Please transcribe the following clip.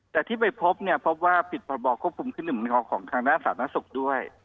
แต่ที่ไม่พบเนี่ยพบว่าผิดพบควบคุมคุมขึ้นกันของทางด้านศาลนักศึกษ์ด้วย